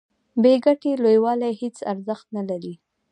بې ګټې لویوالي هیڅ ارزښت نلري.